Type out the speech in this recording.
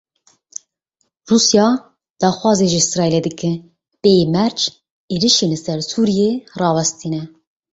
Rûsya daxwazê ji Îsraîlê dike bêyî merc êrişên li ser Sûriyeyê rawestîne.